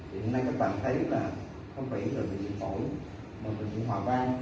hiện nay các bạn thấy là không chỉ là bệnh viện phổi mà bệnh viện hòa vang